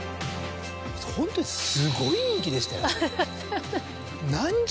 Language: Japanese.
ホントにすごい人気でしたよ。